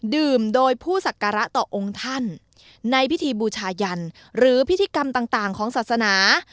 ดื่มโดยผู้สักการะต่อองค์ท่านในพิธีบูชายันหรือพิธีกรรมต่างของศาสนา